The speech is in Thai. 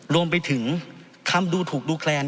รวมไปถึงคำดูถูกดูแคลน